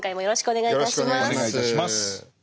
よろしくお願いします。